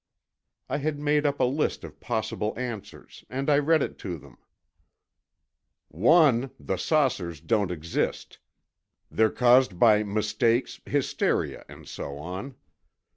I had made up a list of possible answers, and I read it to them: "One, the saucers don't exist. They're caused by mistakes, hysteria, and so on.